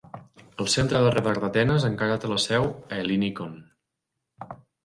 El centre de radar d'Atenes encara té la seu a Ellinikon.